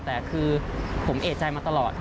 แต่คือผมเอกใจมาตลอด